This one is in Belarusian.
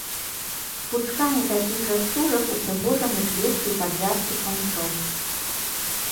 Пучкамі такіх жа стужак упрыгожаны плечы і падвязкі панчох.